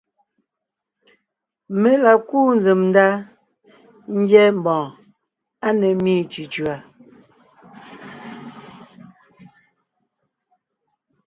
Mé la kúu nzsèm ndá ńgyɛ́ mbɔ̀ɔn á ne ḿmi cʉ̀cʉ̀a;